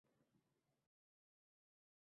Qaro ko’zda